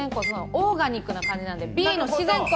オーガニックな感じなんで、Ｂの自然光。